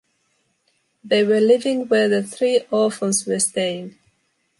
They were living where the three orphans were staying.